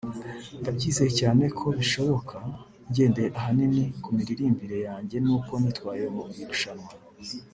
ndabyizeye cyane ko bishoboka ngendeye ahanini ku miririmbire yanjye n’uko nitwaye mu irushanwa